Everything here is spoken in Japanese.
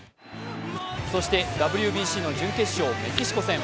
そして、ＷＢＣの準決勝・メキシコ戦。